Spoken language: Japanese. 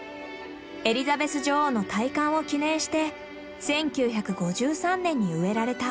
エリザベス女王の戴冠を記念して１９５３年に植えられた。